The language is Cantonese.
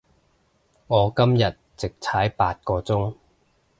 我今日直踩八個鐘